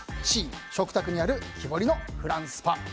Ｃ、食卓にある木彫りのフランスパン。